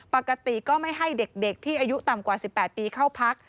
ปกติก็ไม่ให้เด็กที่อายุต่ำกว่า๑๘ปีเข้าพัก